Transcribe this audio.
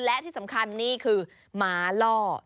และที่สำคัญนี่คือหมาล่อ